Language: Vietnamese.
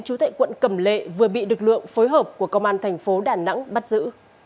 chú tại quận cầm lệ vừa bị lực lượng phối hợp của công an thành phố đà nẵng bắt giữ